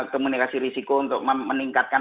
komunikasi risiko untuk meningkatkan